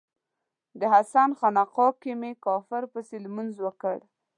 د حسن خانقا کې می کافر پسې لمونځ وکړ